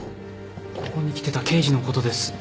ここに来てた刑事のことです。